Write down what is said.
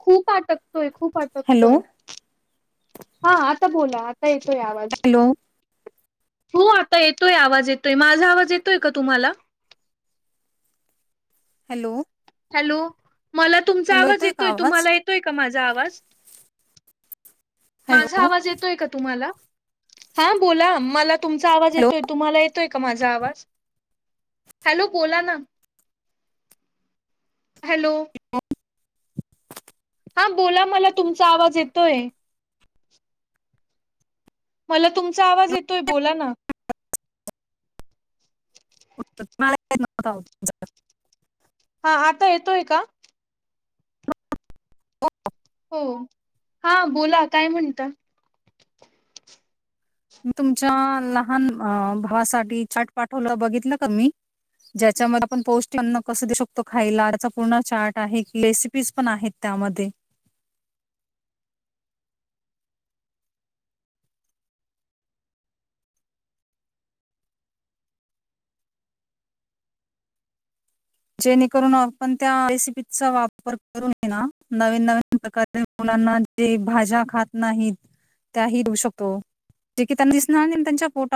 खूप अटकतोय, खूप हॅलो अटकतोय, हा आता बोला आ ता येतोय आवाज. हॅलो हो आता येतोय आवाज, येतोय माझा आवाज येतोय का तुम्हाला? हॅलो! हॅलो मला तुमचा हॅलो आवाज का येतोय आवाज तुम्हाला ये तोय का माझा आवाज, माझा हॅलो आवाज येतोय का तुम्हाला? हा बोला मला तुमचा आवाज हॅलो येतोय, तुम्हाला येतोय का माझा आवाज? हॅलो बोला ना? हॅलो! [inaudible] हा बोला मला तुमचा आवाज येतोय. मला तुमचा आवाज येतोय बोला ना. [unintelligible] हा आता येतोय का? हो हा बोला काय म्हणता. तुमच्या लहान अ भावासाठी चाट पाठवलं बघितलं का मी. ज्याच्यामध्ये आपण पौष्टिक अन्न कस देऊ शकतो खायलाचा त्याचा पूर्ण चाट आहे [inaudible] पीस पण आहे त्यामध्ये. जेणेकरून आपण त्या रेसिपीचा वापर करून हे ना नवीन नवीन प्रकारे मुलांना जे भाज्या खात नाहीत. त्याही देऊ शकतो जे की त्यांन दिसणार नही त्यांच्या पोटा